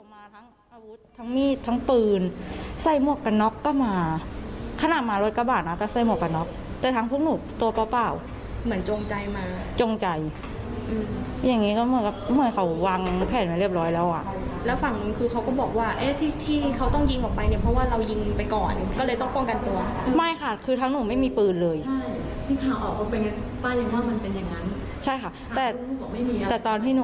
มาทั้งอาวุธทั้งมีดทั้งปืนใส่หมวกกันน็อกก็มาขนาดมารถกระบาดนะแต่ใส่หมวกกันน็อกแต่ทั้งพวกหนูตัวเปล่าเปล่าเหมือนจงใจมาจงใจอืมอย่างงี้ก็เหมือนกับเหมือนเขาวางแผนไว้เรียบร้อยแล้วอ่ะแล้วฝั่งนู้นคือเขาก็บอกว่าเอ๊ะที่ที่เขาต้องยิงออกไปเนี่ยเพราะว่าเรายิงไปก่อนก็เลยต้องป้องกันตัวไม่ค่ะคือทั้งหนูไม่มีปืนเลยใช่ค่ะแต่ตอนที่น